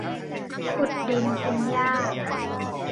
ขุดดินกินหญ้า